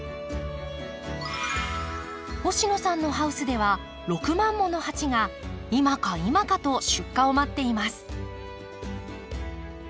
星野さんのハウスでは６万もの鉢が今か今かと出荷を待っています。